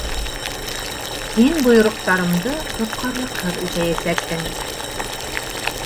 Һин бойороҡтарымды тотҡарлыҡһыҙ үтәйәсәһең.